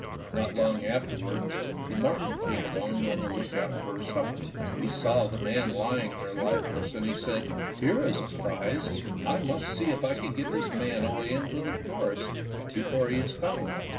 Not long afterward the marten came along on the lookout for his supper. He saw the man lying there lifeless, and he said, ''Here 122 Fairy Tale Foxes is a prize. I must see if I can get this man away into the forest before he is found."